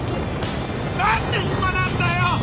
何で今なんだよ！